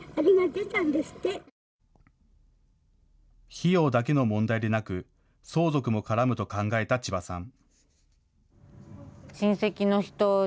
費用だけの問題でなく相続も絡むと考えた千葉さん。